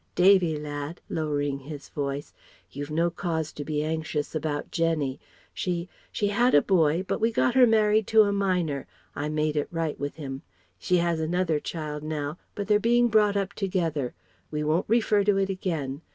Davy, lad" (lowering his voice) "you've no cause to be anxious about Jenny. She she had a boy, but we got her married to a miner I made it right with him. She has another child now, but they're being brought up together. We won't refer to it again.